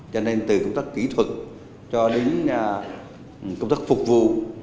cho nên từ hợp tác kỹ thuật cho đến hợp tác phục vụ